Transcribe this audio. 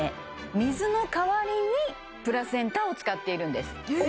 水の代わりにプラセンタを使っているんですえ！？